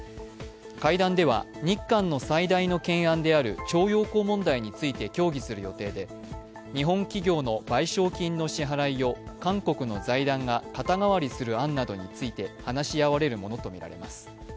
会談では、日韓の最大の懸案である徴用工問題について協議する予定で日本企業の賠償金の支払いを韓国の財団が肩代わりする案などについて話し合われるものとみられます。